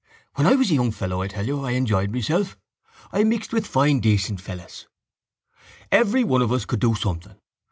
When I was a young fellow I tell you I enjoyed myself. I mixed with fine decent fellows. Everyone of us could do something.